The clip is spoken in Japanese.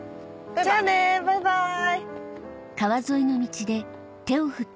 じゃあねバイバイ。